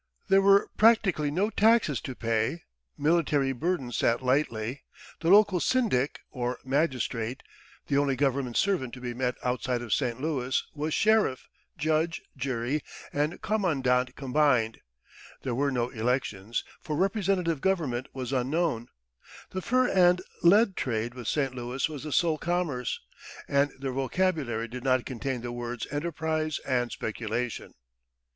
There were practically no taxes to pay; military burdens sat lightly; the local syndic (or magistrate), the only government servant to be met outside of St. Louis, was sheriff, judge, jury, and commandant combined; there were no elections, for representative government was unknown; the fur and lead trade with St. Louis was the sole commerce, and their vocabulary did not contain the words enterprise and speculation.